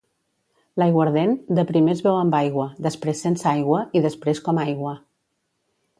L'aiguardent, de primer es beu amb aigua, després sense aigua i després com aigua.